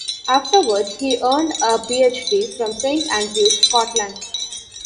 Afterwards, he earned a PhD from Saint Andrews, Scotland.